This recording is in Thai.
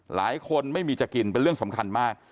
ไม่มีจะกินเป็นเรื่องสำคัญมาก